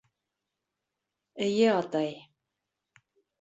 Эйе, атай.